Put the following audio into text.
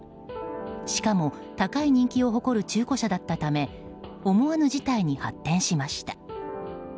しかも、高い人気を誇る中古車だったため思わぬ事態に発展しました。